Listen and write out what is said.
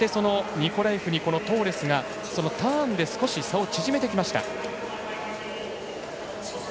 ニコラエフにトーレスがターンで差を縮めてきました。